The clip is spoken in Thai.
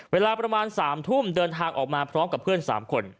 เวลาประมาณ๓ทุ่มเดินทางออกมาพร้อมกับเพื่อน๓คน